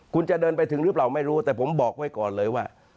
คุณจะเดินไปถึงหรือเปล่าไม่รู้แต่ผมบอกไว้ก่อนเลยว่า